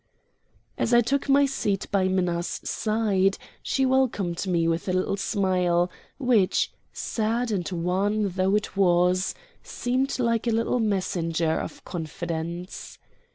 As I took my seat by Minna's side she welcomed me with a little smile, which, sad and wan though it was, seemed like a little messenger of confidence.